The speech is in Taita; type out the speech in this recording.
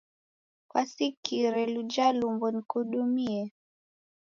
Kwasikire luja lumbo nikudumie?